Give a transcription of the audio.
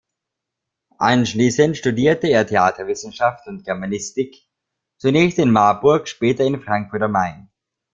Anschließend studierte er Theaterwissenschaft und Germanistik, zunächst in Marburg, später in Frankfurt am Main.